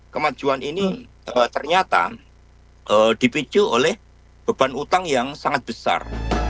kemajuan ini ternyata dipicu oleh beban utang yang sangat besar